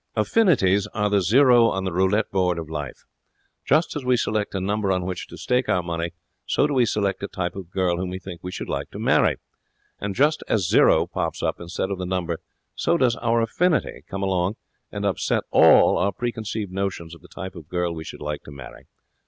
Affinities are the zero on the roulette board of life. Just as we select a number on which to stake our money, so do we select a type of girl whom we think we should like to marry. And just as zero pops up instead of the number, so does our affinity come along and upset all our pre conceived notions of the type of girl we should like to marry.'